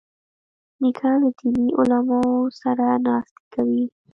نیکه له دیني علماوو سره ناستې کوي.